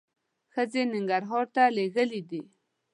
ښځې ننګرهار ته لېږلي دي.